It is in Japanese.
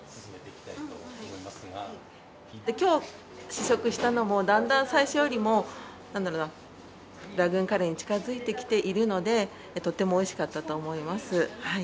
今日試食したのもだんだん最初よりもなんだろうなラグーンカレーに近づいてきているのでとってもおいしかったと思います。